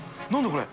これ。